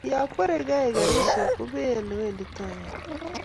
ya kweregei garishek ko pee ole wenditoi garit